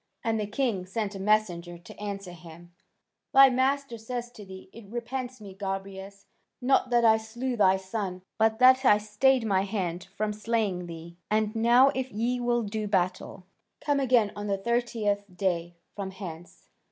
And the king sent a messenger to answer him: "Thy master says to thee: 'It repents me, Gobryas, not that I slew thy son, but that I stayed my hand from slaying thee. And now if ye will do battle, come again on the thirtieth day from hence.